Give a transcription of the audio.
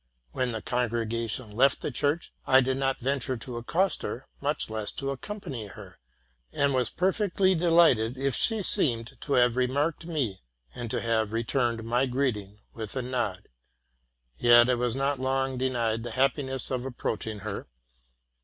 When the congregation left the church, I did not venture to accost her, much less to accompany her, and was perfectly delighted if she seemed to have remarked me and to have returned my greeting with a nod. Yet I was not long denied the happiness of approaching her.